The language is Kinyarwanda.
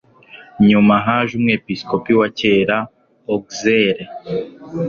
Nyuma haje umwepiskopi wa kera Auxerre